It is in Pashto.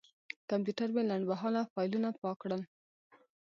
کمپیوټر مې لنډمهاله فایلونه پاک کړل.